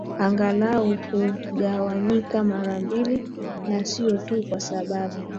angalau hugawanyika mara mbili na sio tu kwa sababu